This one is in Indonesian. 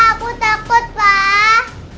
aku takut pak